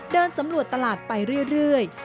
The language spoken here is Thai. เดินสำรวจตลาดไปเรื่อย